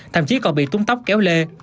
thậm chí còn bị túng tóc kéo lê